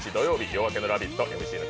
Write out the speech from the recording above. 「夜明けのラヴィット！」